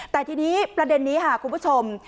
แต่ทีนี้ประเด็นนี้ค่ะคุณผู้ชม